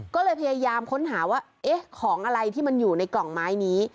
ก็เลยพยายามค้นหาว่าเอ๊ะของอะไรที่มันอยู่ในกล่องไม้นี้